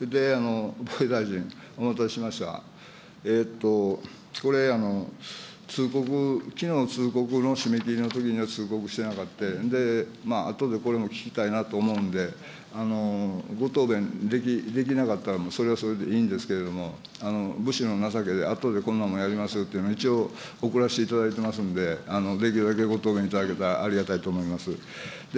大臣、お待たせしました、通告、きのう通告の締め切りのときには通告してなかって、あとでこれも聞きたいなと思うんで、ご答弁できなかったら、それはそれでいいんですけれども、武士の情けであとでこんなのもやりますよっていうの、一応、送らせていただいてますんで、できるだけご答弁いただけたらありがたいと思います。